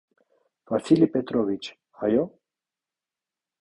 Վասիլի Պետրովիչ, այո՞: